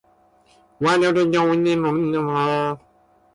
Which document was signed as a result of the Philadelphia Convention?